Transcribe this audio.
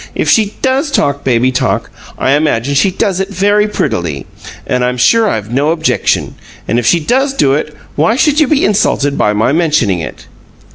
If she does talk 'baby talk,' I imagine she does it very prettily, and I'm sure I've no objection. And if she does do it, why should you be insulted by my mentioning it?"